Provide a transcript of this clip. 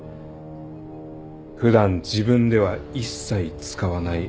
普段自分では一切使わないあの場所。